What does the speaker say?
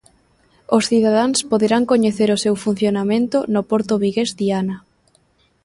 Os cidadáns poderán coñecer o seu funcionamento no porto vigués, Diana.